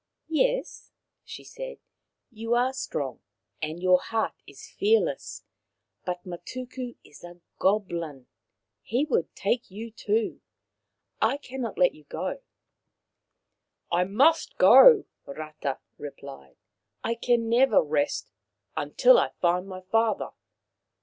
11 Yes," she said, " you are strong, and your heart is fearless, but Matuku is a goblin. He would take you too. I cannot let you go." 155 156 Maoriland Fairy Tales " I must go," Rata replied. " I can never rest again until I find my father.